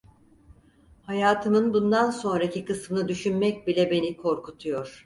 Hayatımın bundan sonraki kısmını düşünmek bile beni korkutuyor…